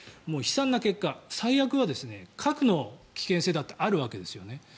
もう悲惨な結果最悪は核の危険性だってあるわけですよね。